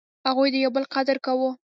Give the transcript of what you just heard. هغوی د یو بل قدر کاوه.